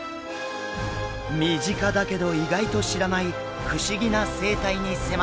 身近だけど意外と知らない不思議な生態に迫ります。